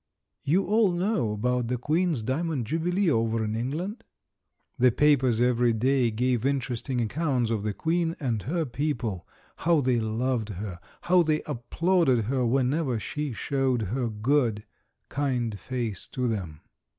You all know about the Queen's Diamond Jubilee over in England? The papers every day gave interesting accounts of the Queen and her people, how they loved her, how they applauded her whenever she showed her good, kind face to them.